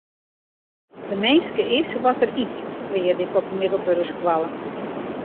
De minske is wat er yt, learde ik op 'e middelbere skoalle.